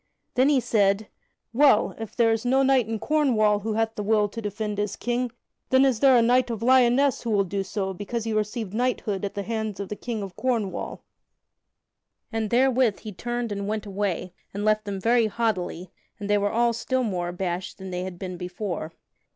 Then he said: "Well, if there is no knight in Cornwall who hath the will to defend his King, then is there a knight of Lyonesse who will do so because he received knighthood at the hands of the King of Cornwall." And therewith he turned and went away, and left them very haughtily, and they were all still more abashed than they had been before.